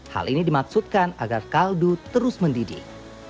hal ini dimaksudkan agar kaldu terus mendidih